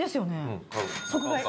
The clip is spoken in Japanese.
即買い！